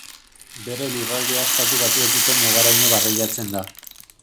Bere lurraldea Estatu Batuekiko mugaraino barreiatzen da.